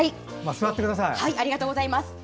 ありがとうございます。